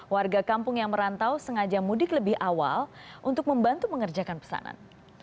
warga kampung yang merantau sengaja mudik lebih awal untuk membantu mengerjakan pesanan